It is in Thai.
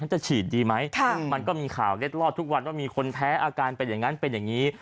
จะฉีดดีไหมมันก็มีข่าวเล็ดลอดทุกวันว่ามีคนแพ้อาการเป็นอย่างนั้นเป็นอย่างนี้